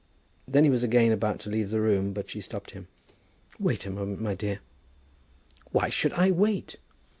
Then he was again about to leave the room, but she stopped him. "Wait a moment, my dear." "Why should I wait?"